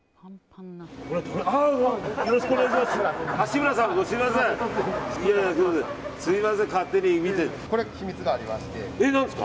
よろしくお願いします。